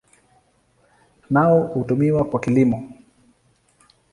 Nao hutumiwa kwa kilimo.